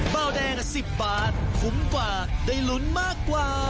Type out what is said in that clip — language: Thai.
เบาแดง๑๐บาทคุ้มกว่าได้ลุ้นมากกว่า